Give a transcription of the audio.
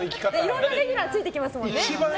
いろんなレギュラーがついてきますからね。